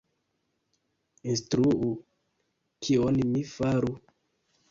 Instruu, kion mi faru?